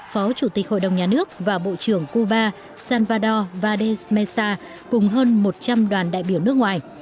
phó chủ tịch hội đồng nhà nước và bộ trưởng cuba salvador valdes mesa cùng hơn một trăm linh đoàn đại biểu nước ngoài